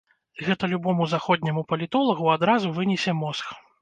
Гэта любому заходняму палітолагу адразу вынесе мозг.